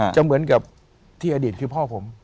จะเหมือนกับที่อดีตคือพ่อผม